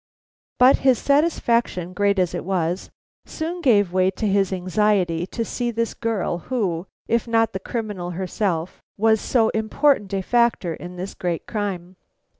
But his satisfaction, great as it was, soon gave way to his anxiety to see this girl who, if not the criminal herself, was so important a factor in this great crime.